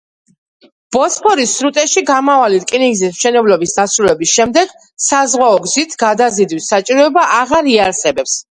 ბოსფორის სრუტეში გამავალი რკინიგზის მშენებლობის დასრულების შემდეგ საზღვაო გზით გადაზიდვის საჭიროება აღარ იარსებებს.